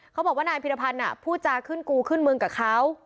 เขาบอกว่านายพิรพันธ์พูดจาขึ้นกูขึ้นมึงกับเขา